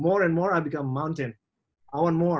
mereka jadi bukit aku jadi gunung